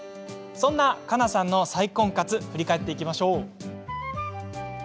そんな、かなさんの再婚活を振り返っていきましょう。